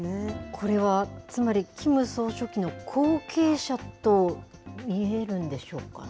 これはつまり、キム総書記の後継者といえるんでしょうかね。